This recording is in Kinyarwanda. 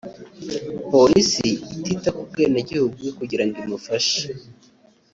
Polisi itita ku bwenegihugu bwe kugirango imufashe